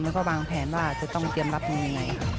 แล้วก็บางแผนว่าจะต้องเกมรับอย่างไร